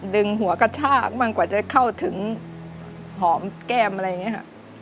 หัวกระชากบ้างกว่าจะเข้าถึงหอมแก้มอะไรอย่างนี้ค่ะ